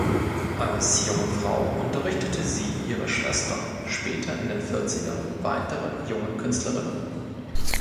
Als junge Frau unterrichtete sie ihre Schwestern, später in den Vierzigern weitere junge Künstlerinnen.